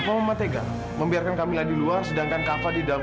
mama mau mengajarkan dia supaya dia bertanggung jawab